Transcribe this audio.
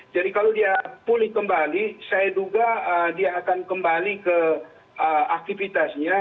jadi kalau dia pulih kembali saya duga dia akan kembali ke aktivitasnya